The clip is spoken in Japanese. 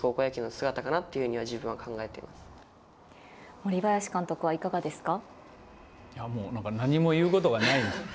森林監督はいかがですか。